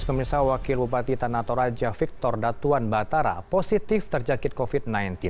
kementerian wakil bupati tanah toraja victor datuan batara positif terjakit covid sembilan belas